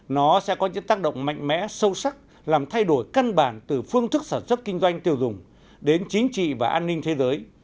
nó sẽ có những tác động mạnh mẽ sâu sắc làm thay đổi căn bản từ phương thức sản xuất kinh doanh tiêu dùng đến chính trị và an ninh thế giới